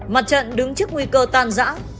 mặt trận đứng trước nguy cơ tan rã